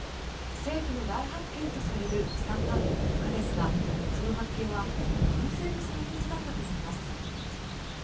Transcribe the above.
世紀の大発見とされるツタンカーメンの墓ですがその発見は偶然の産物だったといいます。